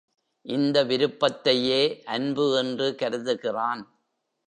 இந்த விருப்பத்தையே அன்பு என்று கருதுகிறான்.